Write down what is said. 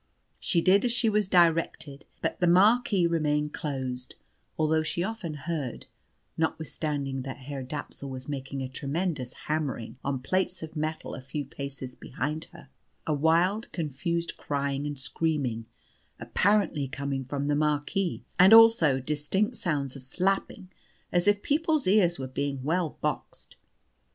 She did as she was directed, but the marquee remained closed, although she often heard (notwithstanding that Herr Dapsul was making a tremendous hammering on plates of metal a few paces behind her), a wild, confused crying and screaming, apparently coming from the marquee, and also distinct sounds of slapping, as if people's ears were being well boxed.